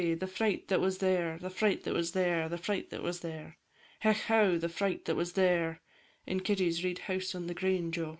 the fright that was there, The fright that was there, The fright that was there; Hech, how! the fright that was there, In Kitty Reid's house on the green, Jo!